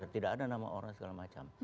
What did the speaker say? tidak ada nama orang segala macam